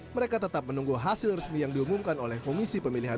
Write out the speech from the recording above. mereka tetap menunggu hasil resmi yang diumumkan oleh komisi pemilihan